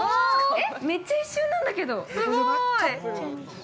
◆えっ、めっちゃ一瞬なんだけど。